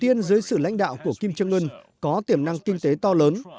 đơn giới sự lãnh đạo của kim jong un có tiềm năng kinh tế to lớn